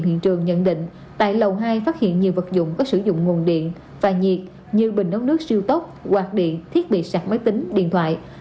hiện trường nhận định tại lầu hai phát hiện nhiều vật dụng có sử dụng nguồn điện và nhiệt như bình ốc nước siêu tốc quạt điện thiết bị sạc máy tính điện thoại